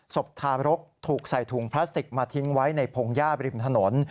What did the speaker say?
ศพทารกถูกใส่ถุงพลาสติกมาทิ้งไว้ในพงหญ้าบริมถนน